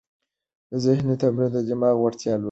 ذهني تمرین د دماغ وړتیا لوړوي.